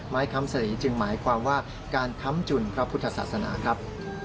ค้ำสลีจึงหมายความว่าการค้ำจุนพระพุทธศาสนาครับ